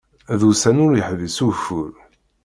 D ussan ur yeḥbis ugeffur.